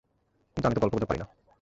কিন্তু, আমি তো গল্পগুজব পারি না!